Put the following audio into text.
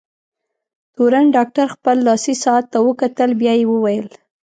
تورن ډاکټر خپل لاسي ساعت ته وکتل، بیا یې وویل: